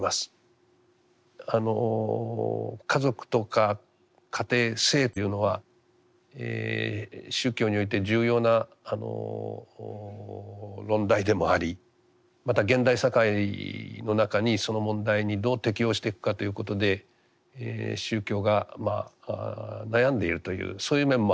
家族とか家庭性というのは宗教において重要な論題でもありまた現代社会の中にその問題にどう適応していくかということで宗教が悩んでいるというそういう面もある問題かと思います。